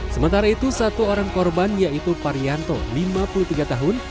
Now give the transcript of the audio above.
sementara itu satu orang korban yaitu parianto lima puluh tiga tahun